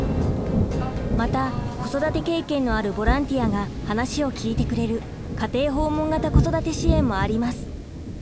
また子育て経験のあるボランティアが話を聞いてくれる家庭訪問型子育て支援もあります。